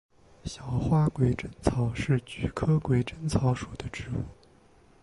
小花鬼针草是菊科鬼针草属的植物。